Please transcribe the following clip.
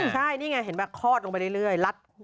ใช่นี่ไงเห็นไหมคลอดลงไปเรื่อยรัด